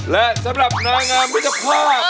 และสำหรับนางงามมิตรภาพ